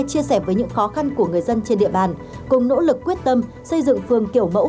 chia sẻ với những khó khăn của người dân trên địa bàn cùng nỗ lực quyết tâm xây dựng phường kiểu mẫu